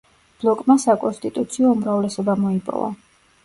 ბლოკმა საკონსტიტუციო უმრავლესობა მოიპოვა.